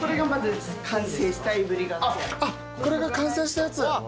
これが完成したやつ。